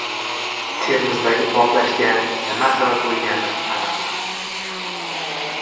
Termizdagi portlashga nima sabab bo‘lgani aniqlandi